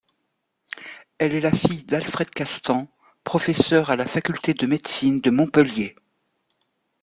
Elle est la fille d'Alfred Castan, professeur à la faculté de médecine de Montpellier.